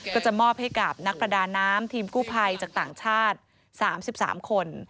ก็จะมอบให้กับนักประดาน้ำทีมกู้ภัยจากต่างชาติ๓๓คน